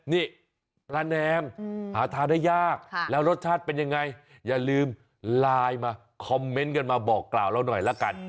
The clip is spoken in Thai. นี่ปลาแนมหาทานได้ยากแล้วรสชาติเป็นยังไงอย่าลืมไลน์มาคอมเมนต์กันมาบอกกล่าวเราหน่อยละกัน